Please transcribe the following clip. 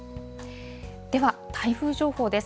では台風情報です。